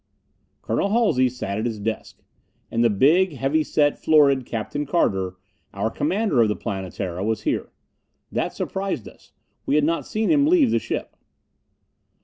Colonel Halsey sat at his desk. And the big, heavy set, florid Captain Carter our commander of the Planetara was here. That surprised us: we had not seen him leave the ship.